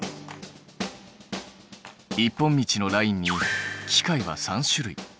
一本道のラインに機械は３種類。